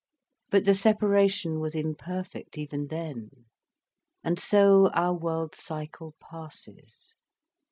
But the separation was imperfect even them. And so our world cycle passes.